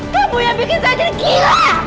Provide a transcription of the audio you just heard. kamu yang bikin saya jadi gila